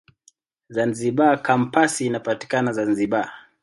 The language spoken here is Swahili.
Zanzibar Kampasi inapatikana Zanzibar.